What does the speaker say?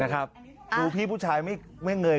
คือพี่ผู้ชายไม่เงย